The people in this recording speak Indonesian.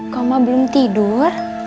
kok emak belum tidur